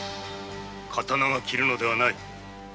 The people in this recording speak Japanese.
刀が切るのではない。